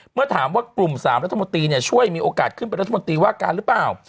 เมื่อถามว่ากลุ่ม๓รัฐมนตรีช่วยมีโอกาสขึ้นเป็นรัฐมนตรีว่าการหรือเปล่า